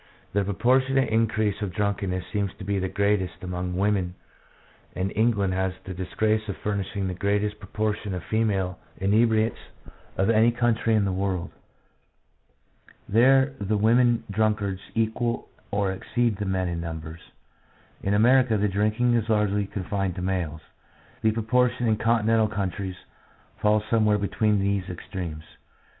The proportionate increase of drunkenness seems to be greatest among women, and England has the disgrace of furnishing the greatest pro portion of female inebriates of any country in the world. There the women drunkards equal or exceed the men in numbers. In America the drinking is largely con fined to males; the proportion in continental countries falls somewhere between these extremes.